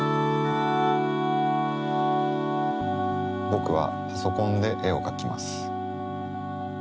ぼくはパソコンでえをかきます。